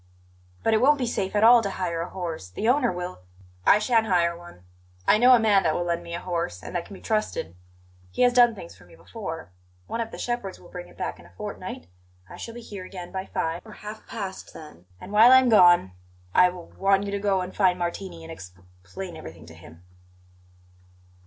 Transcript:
"But it won't be safe at all to hire a horse. The owner will " "I shan't hire one. I know a man that will lend me a horse, and that can be trusted. He has done things for me before. One of the shepherds will bring it back in a fortnight. I shall be here again by five or half past, then; and while I am gone, I w want you to go and find Martini and exp plain everything to him."